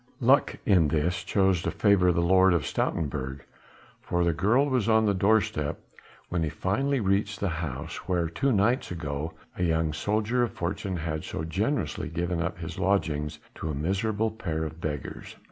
Luck in this chose to favour the Lord of Stoutenburg, for the girl was on the doorstep when he finally reached the house where two nights ago a young soldier of fortune had so generously given up his lodgings to a miserable pair of beggars.